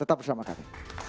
tetap bersama kami